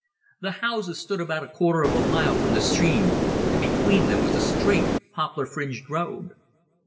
The houses stood about a quarter of a mile from the stream, and between them was a straight, poplar fringed road.